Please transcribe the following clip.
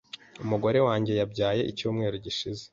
Umugore wanjye yabyaye icyumweru gishize.